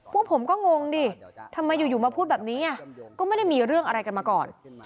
พวกผมก็งงดิทำไมอยู่มาพูดแบบนี้ก็ไม่ได้มีเรื่องอะไรกันมาก่อน